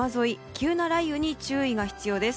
急な雷雨に注意が必要です。